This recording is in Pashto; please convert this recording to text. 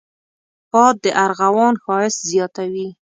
باد د ارغوان ښايست زیاتوي